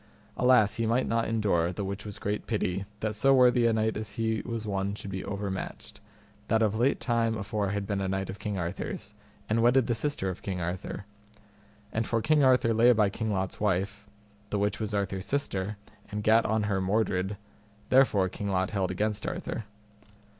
Alas he might not endure, the which was great pity, that so worthy a knight as he was one should be overmatched, that of late time afore had been a knight of King Arthur's, and wedded the sister of King Arthur; and for King Arthur lay by King Lot's wife, the which was Arthur's sister, and gat on her Mordred, therefore King Lot held against Arthur.